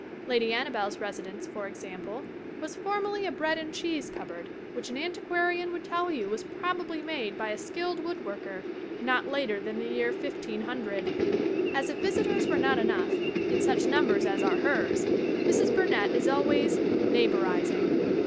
Lady Anna belle's residence, for example, was formerly a bread and cheese cupboard which an antiquarian would tell you was probably made by a skilled woodworker not later than the year 150x3. As if visitors were not enough, in such numbers as are hers, Mrs. Burnett is always "neighborizing."